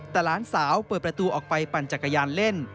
แต่หลานสาวเปิดประตูออกไปปั่นจักรยานเล่น